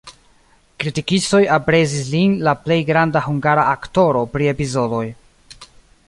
Kritikistoj aprezis lin la plej granda hungara aktoro pri epizodoj.